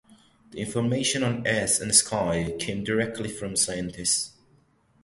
The information on "Earth and Sky" came directly from scientists.